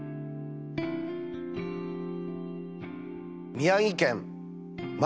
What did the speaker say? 宮城県ま